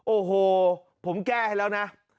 โอ้โหผมแก้ให้แล้วนะ